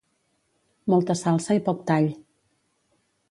Molta salsa i poc tall.